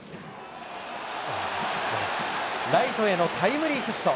ライトへのタイムリーヒット。